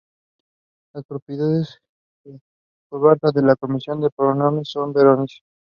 Las propiedades de curvatura de la cosmología de Penrose son verosímiles.